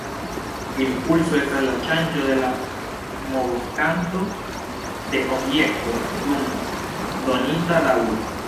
Impulso estas la ŝanĝo de la movokvanto de objekto dum donita daŭro.